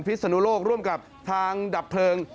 ศนุโลกร่วมกับทางดับเพลิง